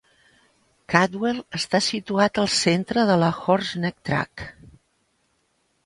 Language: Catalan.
Caldwell està situat al centre de la Horse Neck Tract.